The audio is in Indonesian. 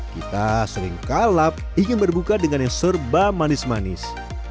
kita sering kalap ingin berbuka dengan yang serba manis manis